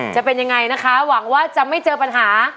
จะเป็นยังไงนะคะหวังว่าจะไม่เจอปัญหา